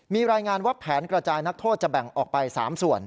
มีรายงานว่าแผนกระจายนักโทษจะแบ่งออกไป๓ส่วน